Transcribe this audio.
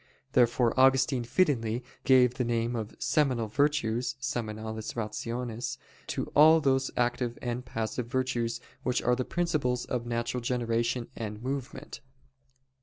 Therefore Augustine fittingly gave the name of "seminal virtues" [seminales rationes] to all those active and passive virtues which are the principles of natural generation and movement.